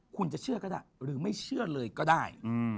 คุณจะเชื่อก็ได้หรือไม่เชื่อเลยก็ได้